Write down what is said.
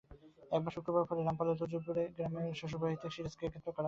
এরপর শুক্রবার ভোরে রামপালের তুজুলপুর গ্রামের শ্বশুরবাড়ি থেকে সিরাজকে গ্রেপ্তার করা হয়।